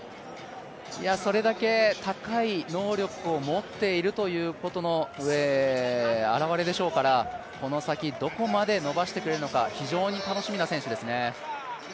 それだけ、高い能力を持っているということの表れでしょうからこの先、どこまで伸ばしてくれるのか非常に楽しみな選手ですね。